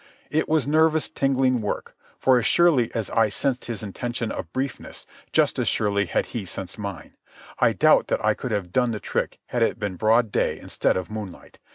It was nervous, tingling work, for as surely as I sensed his intention of briefness, just as surely had he sensed mine. I doubt that I could have done the trick had it been broad day instead of moonlight.